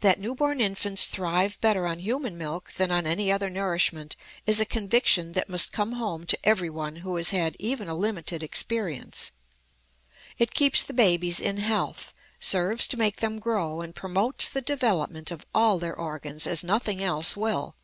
That newborn infants thrive better on human milk than on any other nourishment is a conviction that must come home to every one who has had even a limited experience. It keeps the babies in health, serves to make them grow, and promotes the development of all their organs as nothing else will.